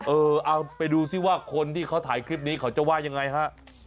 เออเอาไปดูซิว่าคนที่เขาถ่ายคลิปนี้เขาจะว่ายังไงฮะ